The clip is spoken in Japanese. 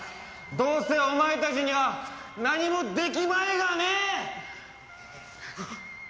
どうせお前たちには何もできまいがね。